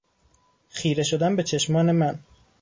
خیره شدن به چشمان من